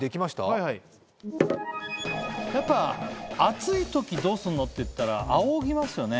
はいはいやっぱ暑い時どうすんの？っていったらあおぎますよね